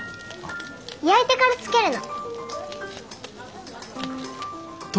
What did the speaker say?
焼いてからつけるの。